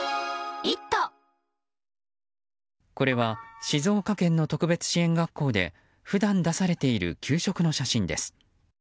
これは静岡県の特別支援学校で普段出されている給食の写真です。